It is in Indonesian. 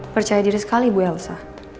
percaya diri sekali bu elsa